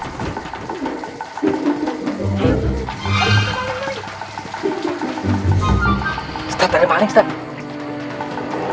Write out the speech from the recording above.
ustaz ada maling ustaz